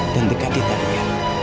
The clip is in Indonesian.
dan dekatin aida